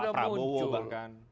pak prabowo bahkan